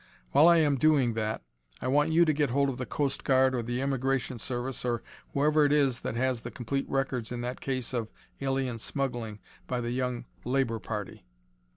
While I am doing that, I want you to get hold of the Coast Guard or the Immigration Service or whoever it is that has the complete records in that case of alien smuggling, by the Young Labor party.